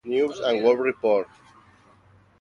News and World Report".